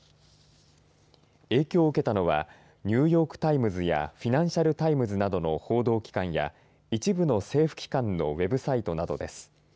影響を受けたのはニューヨーク・タイムズやフィナンシャル・タイムズなどの報道機関や一部の政府機関のウェブサイトなどです。